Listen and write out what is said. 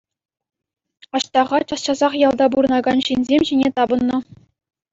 Аҫтаха час-часах ялта пурӑнакан ҫынсем ҫине тапӑннӑ.